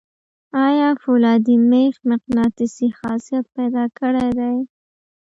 آیا فولادي میخ مقناطیسي خاصیت پیدا کړی دی؟